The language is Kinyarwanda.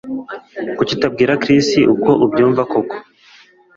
Kuki utabwira Chris uko ubyumva koko